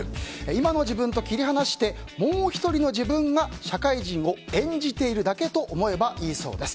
今の自分と切り離してもう１人の自分が社会人を演じているだけと思えばいいそうです。